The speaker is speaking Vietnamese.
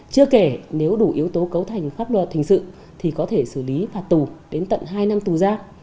chưa kể nếu đủ yếu tố cấu thành pháp luật hình sự thì có thể xử lý phạt tù đến tận hai năm tù giam